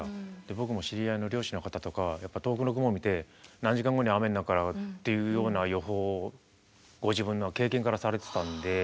僕も知り合いの漁師の方とかやっぱ遠くの雲見て「何時間後に雨になるから」っていうような予報をご自分の経験からされてたんで。